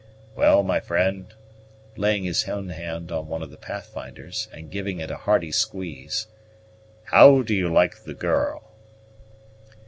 Well, my friend," laying his own hand on one of the Pathfinder's, and giving it a hearty squeeze, "how do you like the girl?"